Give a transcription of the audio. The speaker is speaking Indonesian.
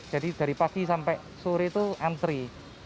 jadi dari pagi sampai sore itu antri